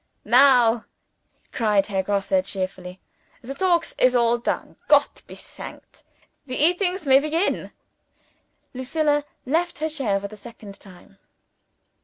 "Now," cried Herr Grosse cheerfully, "the talkings is all done. Gott be thanked, the eatings may begin!" Lucilla left her chair for the second time.